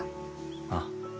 ああ。